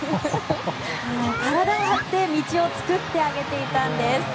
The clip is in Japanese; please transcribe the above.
体を張って道を作ってあげていたんです。